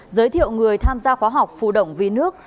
giới thiệu người tham gia khóa học phù động vì nước